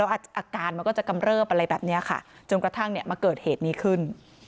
อาการมันก็จะกำเริบอะไรแบบนี้ค่ะจนกระทั่งเนี่ยมาเกิดเหตุนี้ขึ้น